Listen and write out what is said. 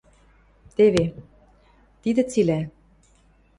— Теве... тидӹ цилӓ...